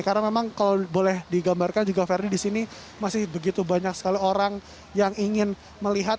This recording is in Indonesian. karena memang kalau boleh digambarkan juga ferdi di sini masih begitu banyak sekali orang yang ingin melihat